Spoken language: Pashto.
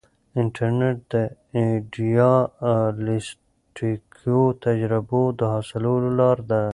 انټرنیټ د ایډیالیسټیکو تجربو د حاصلولو لار ده.